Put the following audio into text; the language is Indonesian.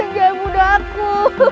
jangan bunuh aku